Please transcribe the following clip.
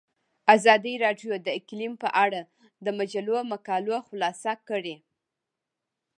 ازادي راډیو د اقلیم په اړه د مجلو مقالو خلاصه کړې.